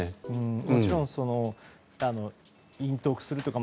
もちろん隠匿するというか